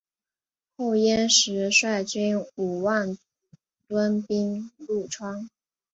后燕时率军五万屯兵潞川。